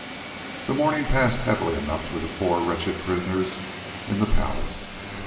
That morning passed heavily enough to the four wretched prisoners in the palace.